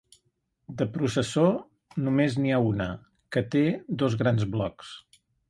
De processó només n’hi ha una, que té dos grans blocs.